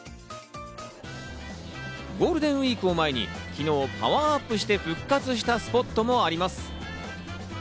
ゴールデンウイークを前に昨日、パワーアップして復活したスポットもあります。